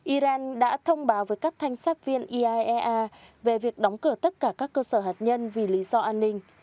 iran đã thông báo với các thanh sát viên iaea về việc đóng cửa tất cả các cơ sở hạt nhân vì lý do an ninh